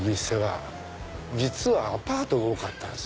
実はアパートが多かったんです。